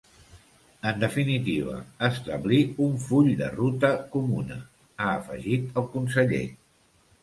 En definitiva, “establir un full de ruta comuna”, ha afegit el conseller.